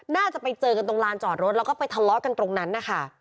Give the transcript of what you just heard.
น่าจะไปเจอกันตรงลานจอดรถแล้วก็ไปทะเลาะกันตรงนั้นนะคะ